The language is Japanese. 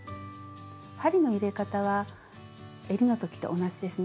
針の入れ方はえりの時と同じですね。